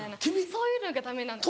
そういうのがダメなんです。